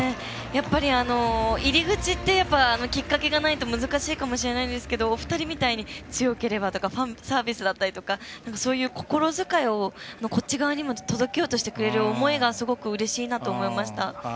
やっぱり、入り口ってきっかけがないと難しいかもしれないんですけどお二人みたいに、強ければとかファンサービスだったりとかそういう心遣いをこっち側にも届けようとしてくれる思いがすごくうれしいなと思いました。